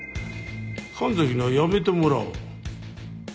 神崎には辞めてもらおう。